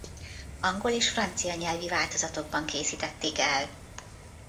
Angol és francia nyelvi változatokban készítették el.